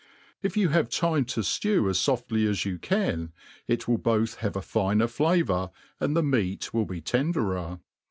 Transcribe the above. If you have time to ftew as foftly as you cian, it will both have a firmer flavour, and the meat will be tenderer.